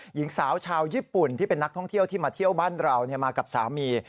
หญิงสาวชาวญี่ปุ่นที่เป็นนักท่องเที่ยวที่มาเที่ยวบ้านเรามากับสามี